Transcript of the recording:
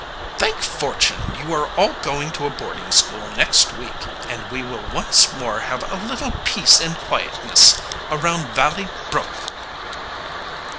"Thank fortune, you are all going to go to boarding school next week, and we will once more have a little peace and quietness around Valley Brook!"